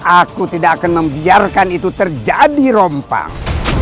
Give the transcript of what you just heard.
aku tidak akan membiarkan itu terjadi rompang